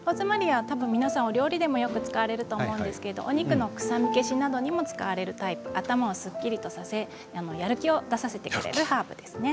多分、皆さんお料理でもよく使われると思うんですけどお肉の臭み消しなどにも使われるハーブ、頭もすっきりさせやる気を出させてくれるハーブです。